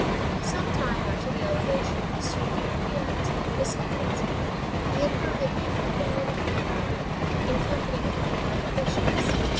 Some time after the elevation of M. Myriel to the episcopate, the Emperor had made him a baron of the Empire, in company with many other bishops.